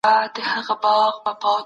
ملي ګټي څنګه ساتل کیږي؟